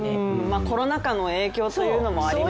コロナ禍の影響というのもありますしね。